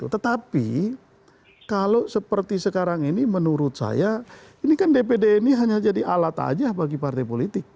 tetapi kalau seperti sekarang ini menurut saya ini kan dpd ini hanya jadi alat aja bagi partai politik